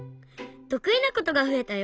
とくいなことがふえたよ！